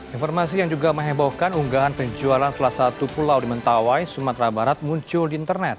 informasi yang juga menghebohkan unggahan penjualan salah satu pulau di mentawai sumatera barat muncul di internet